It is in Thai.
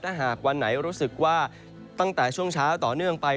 ถ้าหากวันไหนรู้สึกว่าตั้งแต่ช่วงเช้าต่อเนื่องไป